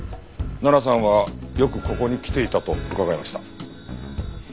奈々さんはよくここに来ていたと伺いました。